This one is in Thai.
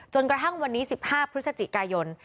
กระทั่งวันนี้๑๕พฤศจิกายน